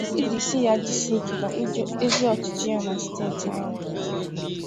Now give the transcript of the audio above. iji sị ya jisie ike n'ezi ọchịchị ya na steeti ahụ.